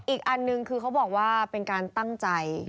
อีกอันนึงคือเขาบอกว่าเป็นการตั้งใจ